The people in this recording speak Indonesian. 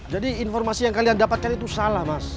jadi informasi yang kalian dapatkan itu salah mas